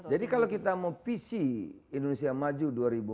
jadi kalau kita mau visi indonesia maju dua ribu empat puluh lima